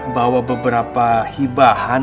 bawa beberapa hibahan